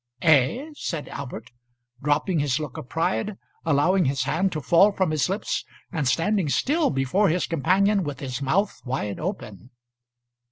"Eh!" said Albert, dropping his look of pride, allowing his hand to fall from his lips, and standing still before his companion with his mouth wide open.